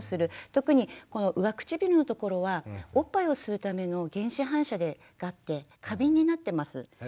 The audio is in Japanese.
特にこの上唇のところはおっぱいを吸うための原始反射があって過敏になってます。